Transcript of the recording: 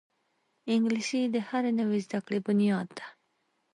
انګلیسي د هرې نوې زده کړې بنیاد ده